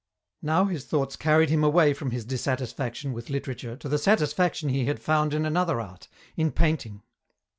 Now his thoughts carried him away from his dissatisfaction with literature to the satisfaction he had found in another art, in painting.